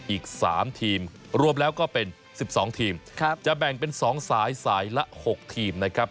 อีก๓ทีมรวมแล้วก็เป็น๑๒ทีมจะแบ่งเป็น๒สายสายละ๖ทีมนะครับ